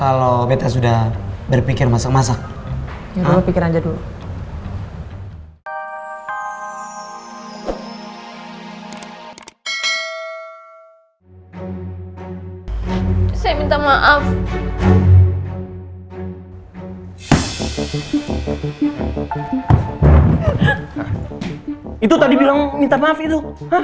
itu tadi bilang minta maaf itu